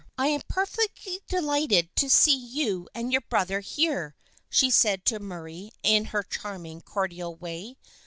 " I am perfectly delighted to see you and your brother here," she said to Murray in her charming, cordial way.